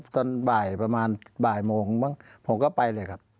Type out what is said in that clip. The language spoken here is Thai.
ตอนบ่ายประมาณบ่ายโมงบ้างผมก็ไปเลยครับ